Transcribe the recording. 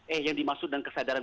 eh yang dimaksud dengan kesadaran